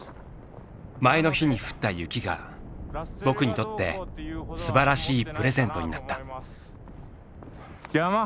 前の日に降った雪が「僕」にとってすばらしいプレゼントになった。